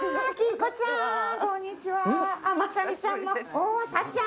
こんにちは。